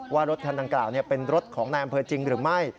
ว่ารถคันดังกล่าวเป็นรถของนายอำเภอจริงหรือไม่